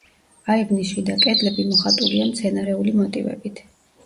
აივნის შიდა კედლები მოხატულია მცენარეული მოტივებით.